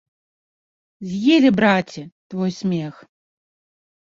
З'елі, браце, твой смех!